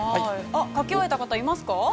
◆書き終えた方、いますか。